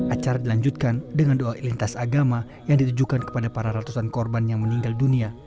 acara dilanjutkan dengan doa lintas agama yang ditujukan kepada para ratusan korban yang meninggal dunia